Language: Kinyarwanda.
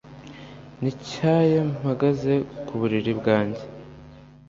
nicaye mpagaze ku buriri bwanjye